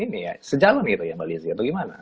ini ya sejalon gitu ya mba lizzy atau gimana